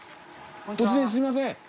突然すいません。